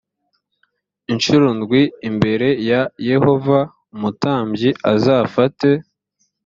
incuro ndwi imbere ya yehova umutambyi azafate